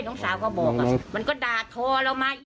น้องสาวก็บอกมันก็ด่าทอเรามา